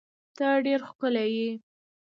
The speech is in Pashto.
ته ډیر ښکلی یی